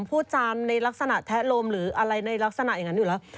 พูดจานในลักษณะแทะลมหรืออะไรในลักษณะอย่างนั้นอยู่แล้ว